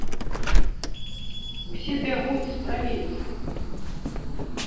Усе бягуць з правінцыі!